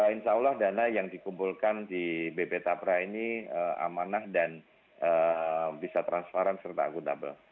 insya allah dana yang dikumpulkan di bp tapra ini amanah dan bisa transparan serta akuntabel